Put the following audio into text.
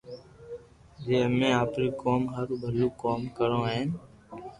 جو امي آپري قوم ھارو ڀلو ڪوم ڪرو ھين